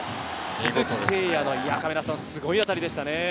鈴木誠也のすごい当たりでした。